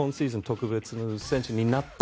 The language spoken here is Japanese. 特別な選手になった。